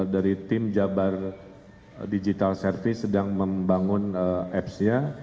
dari tim jabar digital service sedang membangun apps nya